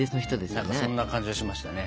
何かそんな感じがしましたね。